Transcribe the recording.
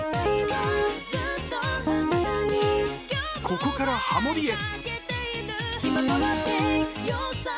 ここからハモりへ。